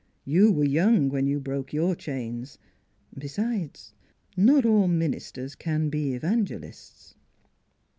You were young when you broke your chains. Besides, not all ministers can be evangelists."